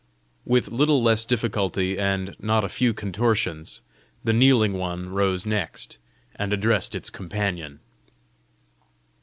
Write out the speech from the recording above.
With little less difficulty and not a few contortions, the kneeling one rose next, and addressed its companion.